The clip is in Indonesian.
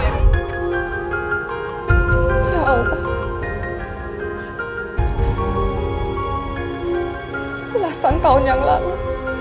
belasan tahun yang lama